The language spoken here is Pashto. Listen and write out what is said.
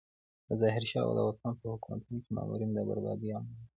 د ظاهر شاه او داود خان په حکومتونو کې مامورین د بربادۍ عاملین وو.